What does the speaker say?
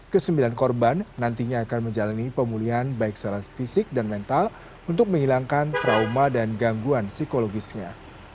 kesembilan korban nantinya akan menjalani pemulihan baik secara fisik dan mental untuk menghilangkan trauma dan gangguan psikologisnya